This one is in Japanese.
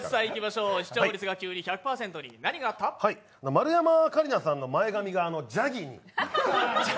丸山桂里奈さんの前髪がシャギーに。